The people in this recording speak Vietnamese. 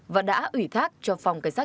và đã ủy thác cho phòng cảnh sát